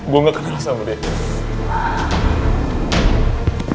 gue gak kenal sama dia